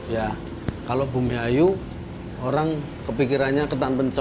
ya kalau bumi ayu orang kepikirannya ketan pencet